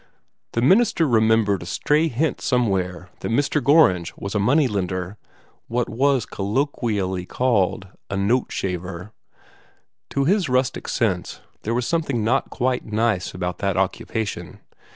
The minister remembered a stray hint somewhere that Mr. Gorringe was a money lender what was colloquially called a "note shaver." To his rustic sense, there was something not quite nice about that occupation.